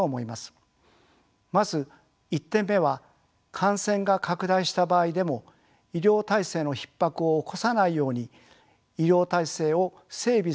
まず１点目は感染が拡大した場合でも医療体制のひっ迫を起こさないように医療体制を整備することが重要です。